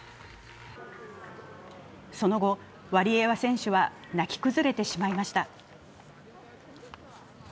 その後、ワリエワ選手は泣き崩れてしまいました。